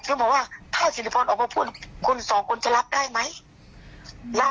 ใส่ว่าลักษณ์สิริพรเหมือนแม่มันเกิดเก้าไงไหนมาโพสด่า